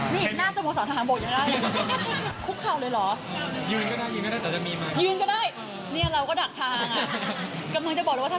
นี่หน้าสมงสาวทางบกยังได้ยังได้